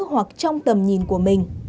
hoặc trong tầm nhìn của mình